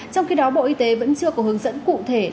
trong khi đó bộ y tế vẫn chưa có hướng dẫn cụ thể